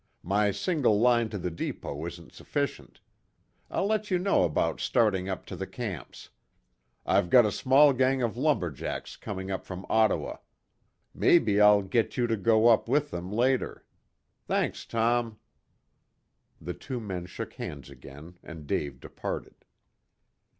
My single line to the depot isn't sufficient. I'll let you know about starting up to the camps. I've got a small gang of lumber jacks coming up from Ottawa. Maybe I'll get you to go up with them later. Thanks, Tom." The two men shook hands again, and Dave departed.